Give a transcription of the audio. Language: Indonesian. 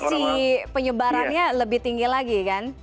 potensi penyebarannya lebih tinggi lagi kan